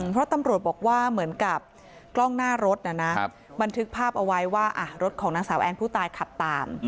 เพราะตำรวจบอกว่าเหมือนกับกล้องหน้ารถบันทึกภาพเอาไว้ว่ารถของนางสาวแอนผู้ตายขับตาม